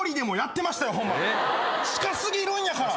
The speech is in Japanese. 近過ぎるんやから。